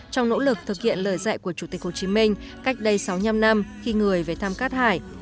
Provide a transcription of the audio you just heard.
trong nỗ lực thực hiện lời dạy của chủ tịch hồ chí minh cách đây sáu mươi năm năm khi người về thám cát hải